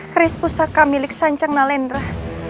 keris pusaka milik sancang nalendra